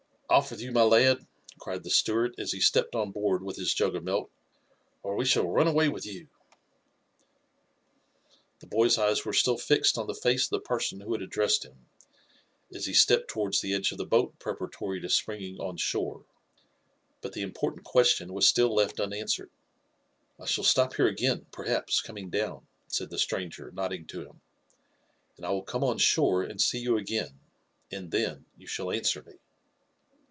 Off wilh you, my lad," cried the steward as he stepped on boair4 with his jug of milk, '' or we shall run away with you/' The boy's eyes were still fixed on the face of the person who had addressed him, as he stepped towards the edge of the boat preparatory to springing QQ shore, but the important question was still left un answered. ''I shall 3top here^gain, perhaps, coming down," sai(l the stranger, nodding to him; *'and I will come on shore and see you figain, and then you shall answer me."